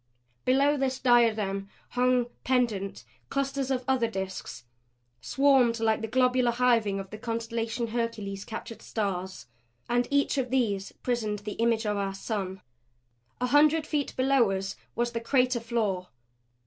Below this diadem hung, pendent, clusters of other disks, swarmed like the globular hiving of the constellation Hercules' captured stars. And each of these prisoned the image of our sun. A hundred feet below us was the crater floor.